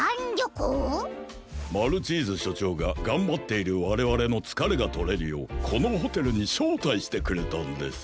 マルチーズしょちょうががんばっているわれわれのつかれがとれるようこのホテルにしょうたいしてくれたんです。